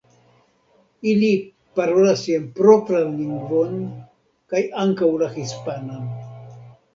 Ili parolas sian propran lingvon kaj ankaŭ la hispanan.